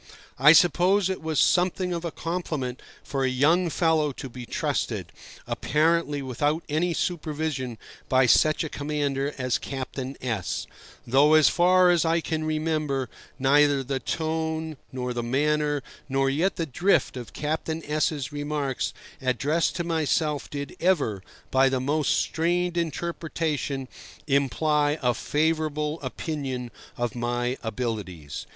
I suppose it was something of a compliment for a young fellow to be trusted, apparently without any supervision, by such a commander as Captain S—; though, as far as I can remember, neither the tone, nor the manner, nor yet the drift of Captain S—'s remarks addressed to myself did ever, by the most strained interpretation, imply a favourable opinion of my abilities.